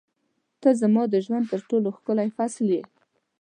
• ته زما د ژوند تر ټولو ښکلی فصل یې.